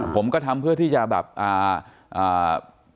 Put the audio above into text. ผมก็ทำเพื่อที่จะสร้างภาพ